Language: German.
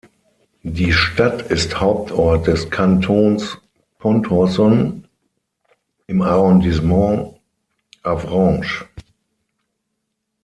Die Stadt ist Hauptort des Kantons Pontorson im Arrondissement Avranches.